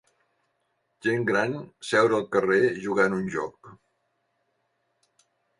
gent gran seure al carrer jugant a un joc.